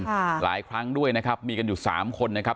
หลายครั้งด้วยนะครับมีกันอยู่สามคนนะครับ